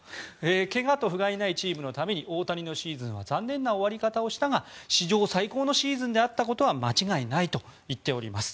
怪我と不甲斐ないチームのために大谷のシーズンは残念な終わり方をしたが史上最高のシーズンであったことは間違いないと言っております。